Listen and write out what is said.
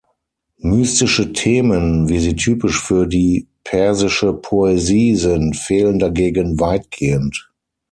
Mystische Themen, wie sie typisch für die persische Poesie sind, fehlen dagegen weitgehend.